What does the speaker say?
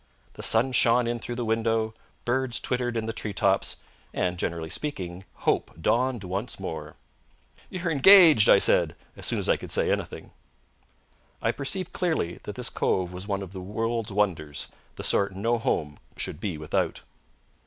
The sun shone in through the window; birds twittered in the tree tops; and, generally speaking, hope dawned once more. "You're engaged!" I said, as soon as I could say anything. I perceived clearly that this cove was one of the world's wonders, the sort no home should be without.